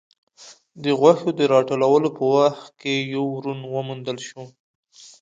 د غوښو د راټولولو په وخت کې يو ورون وموندل شو.